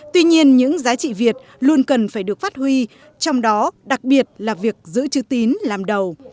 tuy nhiên những giá trị việt luôn cần phải được phát huy trong đó đặc biệt là việc giữ chữ tín làm đầu